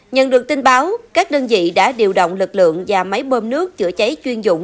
nhận được tin báo các đơn vị đã điều động lực lượng và máy bơm nước chữa cháy chuyên dụng